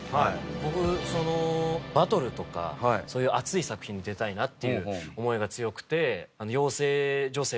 僕そのバトルとかそういう熱い作品に出たいなっていう思いが強くて養成所